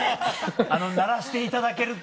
鳴らしていただけると。